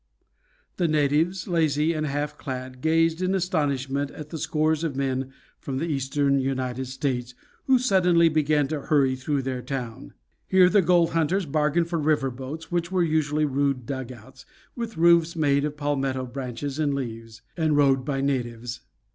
The natives, lazy and half clad, gazed in astonishment at the scores of men from the eastern United States, who suddenly began to hurry through their town. Here the gold hunters bargained for river boats, which were usually rude dugouts, with roofs made of palmetto branches and leaves, and rowed by natives.